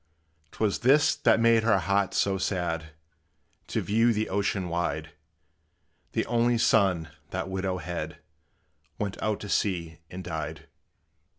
'T was this that made her heart so sad, To view the ocean wide: The only son, that widow had, Went out to sea and died.